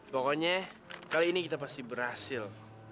pokoknya kali ini kita pasti berhasil